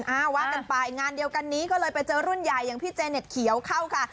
ว่ากันไปงานเดียวกันนี้ก็เลยไปเจอรุ่นใหญ่อย่างพี่เจเน็ตเขียวเข้าค่ะ